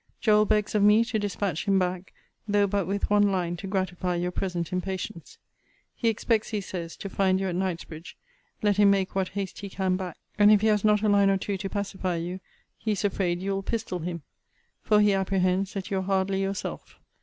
Joel begs of me to dispatch him back, though but with one line to gratify your present impatience. He expects, he says, to find you at Knightsbridge, let him make what haste he can back; and, if he has not a line or two to pacify you, he is afraid you will pistol him; for he apprehends that you are hardly yourself.